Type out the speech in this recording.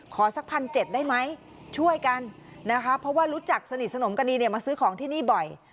สักพันเจ็ดได้ไหมช่วยกันนะคะเพราะว่ารู้จักสนิทสนมกันดีเนี่ยมาซื้อของที่นี่บ่อย